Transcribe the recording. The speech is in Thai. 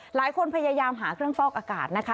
พยายามหาเครื่องฟอกอากาศนะคะ